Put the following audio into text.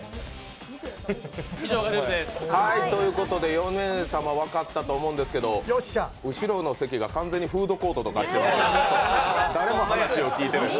４名様、分かったと思ったんですけど、後ろの席が完全にフードコートになってて誰も話を聞いていない。